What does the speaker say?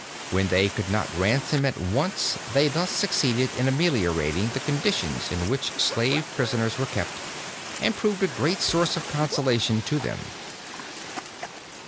When they could not ransom at once they thus succeeded in ameliorating the conditions in which slave prisoners were kept, and proved a great source of consolation to them.